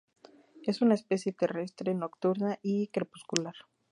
Es una especie terrestre, nocturna y crepuscular.